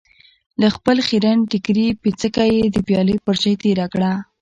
د خپل خيرن ټکري پيڅکه يې د پيالې پر ژۍ تېره کړه.